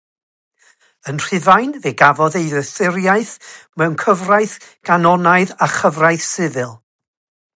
Yn Rhufain fe gafodd ei ddoethuriaeth mewn cyfraith ganonaidd a chyfraith sifil.